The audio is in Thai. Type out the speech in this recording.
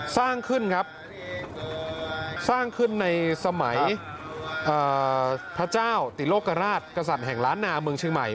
สร้างขึ้นครับสร้างขึ้นในสมัยพระเจ้าติโลกราชกษัตริย์แห่งล้านนาเมืองเชียงใหม่